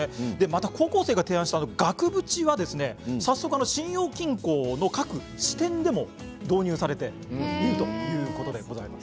高校生が提案した額縁は早速、信用金庫の各支店でも導入されたということです。